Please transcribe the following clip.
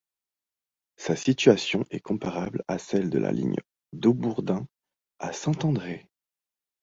Sa situation est comparable à celle de la ligne d'Haubourdin à Saint-André.